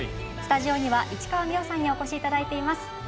スタジオには市川美余さんにお越しいただいています。